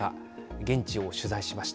現地を取材しました。